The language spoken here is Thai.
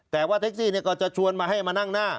แต่ว่าแท็กซี่ก็จะชวนมาให้มานั่งหน้า